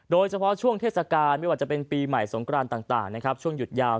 โดยเฉพาะช่วงเทศกาลไม่ว่าจะเป็นปีใหม่สงกรานต่างนะครับช่วงหยุดยาว